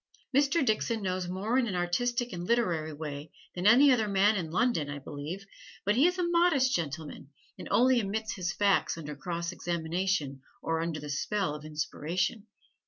Mr. Dixon knows more in an artistic and literary way than any other man in London (I believe), but he is a modest gentleman and only emits his facts under cross examination or under the spell of inspiration.